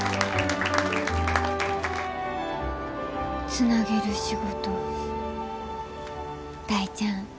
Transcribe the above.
つなげる仕事大ちゃん。